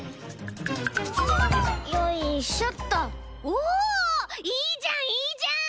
おおいいじゃんいいじゃん！